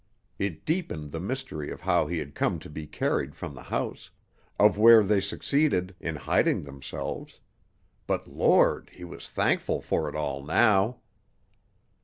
It deepened the mystery of how he had come to be carried from the house of where they succeeded in hiding themselves but, Lord, he was thankful for it all now.